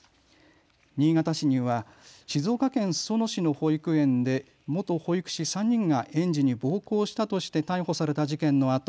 新潟市には静岡県裾野市の保育園で元保育士３人が園児に暴行したとして逮捕された事件のあと